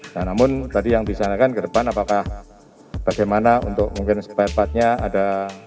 nah namun tadi yang disanakan ke depan apakah bagaimana untuk mungkin sebaik baiknya ada